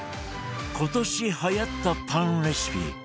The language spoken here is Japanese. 今年はやったパンレシピ